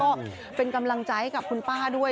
ก็เป็นกำลังใจให้กับคุณป้าด้วย